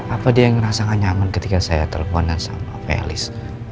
apa dia ngerasa gak nyaman ketika saya teleponan sama felis